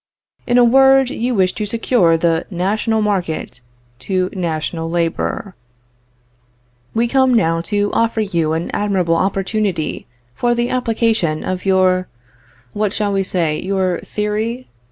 In a word, you wish to secure the national market to national labor. "We come now to offer you an admirable opportunity for the application of your what shall we say? your theory?